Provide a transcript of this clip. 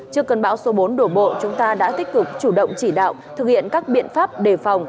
trước cơn bão số bốn đổ bộ chúng ta đã tích cực chủ động chỉ đạo thực hiện các biện pháp đề phòng